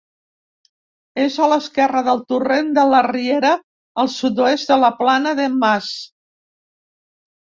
És a l'esquerra del torrent de la Riera, al sud-oest de la Plana del Mas.